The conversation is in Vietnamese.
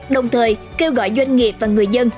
đồng thời kêu gọi doanh nghiệp và người dân